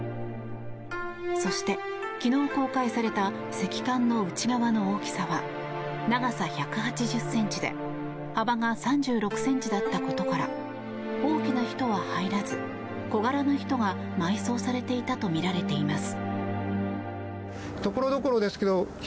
そして、昨日公開された石棺の内側の大きさは長さ１８０ｃｍで幅が３６ｃｍだったことから大きな人は入らず小柄な人が埋葬されていたとみられています。